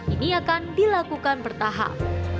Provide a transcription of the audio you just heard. ini akan dilakukan bertahap